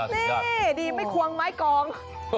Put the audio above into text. สุดยอดนี่ดีไม่คว้างไม้กอง